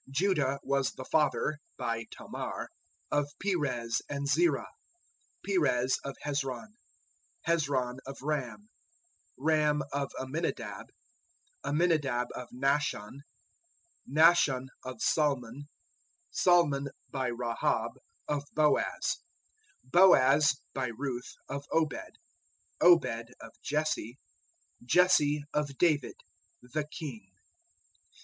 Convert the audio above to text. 001:003 Judah was the father (by Tamar) of Perez and Zerah; Perez of Hezron; Hezron of Ram; 001:004 Ram of Amminadab; Amminadab of Nahshon; Nahshon of Salmon; 001:005 Salmon (by Rahab) of Boaz; Boaz (by Ruth) of Obed; Obed of Jesse; 001:006 Jesse of David the King.